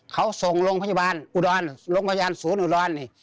เขาส่งโรงพยาบาลอุดรโรงพยาบาลศูนย์อุดรนี่